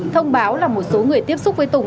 thông báo là một số người tiếp xúc với tùng